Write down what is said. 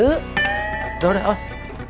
udah udah awas